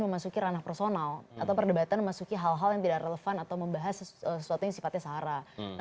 memasuki ranah personal atau perdebatan memasuki hal hal yang tidak relevan atau membahas sesuatu yang sifatnya sarah